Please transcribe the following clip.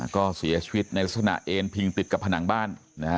ก็เสียชีวิตในลักษณะเอ็นพิงติดกับผนังบ้าน